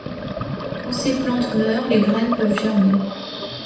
Quand ces plantes meurent, les graines peuvent germer.